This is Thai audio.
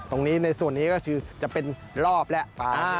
ตรงนี้ในส่วนนี้ก็จะเป็นรอบและปลา